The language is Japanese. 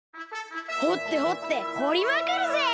ほってほってほりまくるぜ！